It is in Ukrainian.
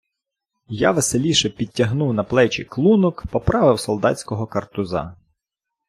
Я веселіше підтягнув на плечі клунок, поправив солдатського картуза.